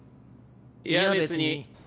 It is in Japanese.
いや別に。